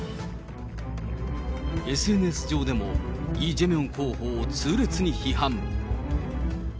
ＳＮＳ上でもイ・ジェミョン候補を痛烈に批判。